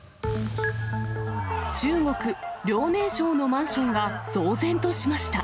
中国・遼寧省のマンションが、騒然としました。